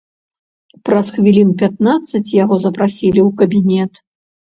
Праз хвілін пятнаццаць яго запрасілі ў кабінет.